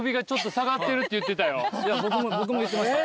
僕も言ってました。